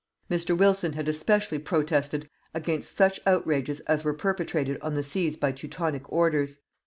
Mr. Wilson had especially protested against such outrages as were perpetrated on the seas by Teutonic orders.